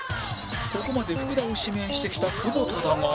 ここまで福田を指名してきた久保田だが